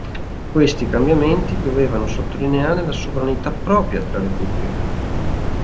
Questi cambiamenti dovevano sottolineare la sovranità propria della repubblica.